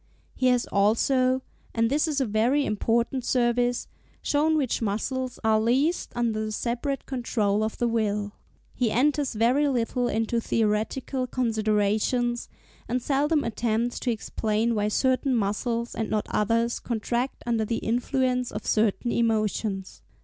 He has also, and this is a very important service, shown which muscles are least under the separate control of the will. He enters very little into theoretical considerations, and seldom attempts to explain why certain muscles and not others contract under the influence of certain emotions.